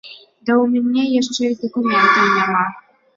Ды ў мяне яшчэ і дакументаў няма.